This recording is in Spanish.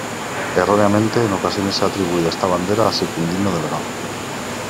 Erróneamente, en ocasiones se ha atribuido esta bandera a Secundino Delgado.